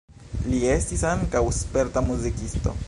Li estis ankaŭ sperta muzikisto.